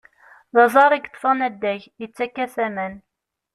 D aẓar i yeṭṭfen addag, yettak-as aman.